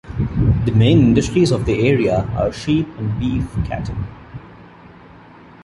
The main industries of the area are sheep and beef cattle.